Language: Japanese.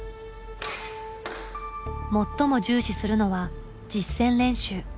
最も重視するのは実戦練習。